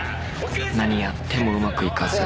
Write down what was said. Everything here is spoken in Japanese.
［何やってもうまくいかず］